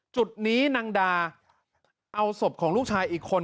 จุดนี้นางดาเอาศพของลูกชายอีกคน